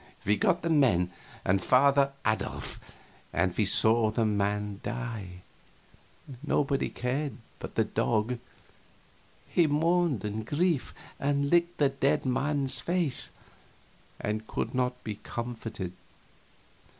We got the men and Father Adolf, and we saw the man die. Nobody cared but the dog; he mourned and grieved, and licked the dead face, and could not be comforted.